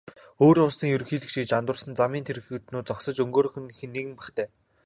Өөр улсын ерөнхийлөгч гэж андуурсан замын тэрэгнүүд зогсож өнгөрөөх нь нэн бахтай.